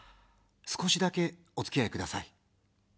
少しだけ、おつきあいください。